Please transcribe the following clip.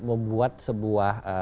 ini membuat sebuah guidebook